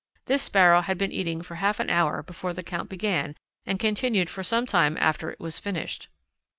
This Sparrow had been eating for half an hour before the count began and continued for some time after it was finished."